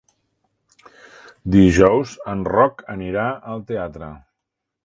Dijous en Roc anirà al teatre.